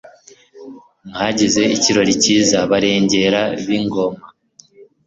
Mwagize ikirori cyiza Barengera b’ingoma,